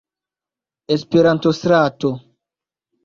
Esperanto-Strato.